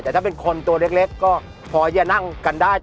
แต่ถ้าเป็นคนตัวเล็กก็พอจะนั่งกันได้